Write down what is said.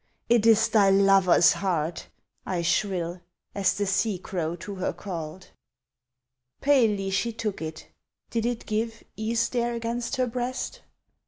("It is thy lover's heart!" I shrill As the sea crow to her called.) Palely she took it did it give Ease there against her breast?